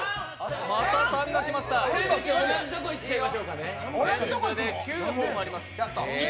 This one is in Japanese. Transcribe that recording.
攻めて同じところいっちゃいましょうかね。